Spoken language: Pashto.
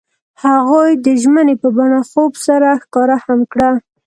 هغوی د ژمنې په بڼه خوب سره ښکاره هم کړه.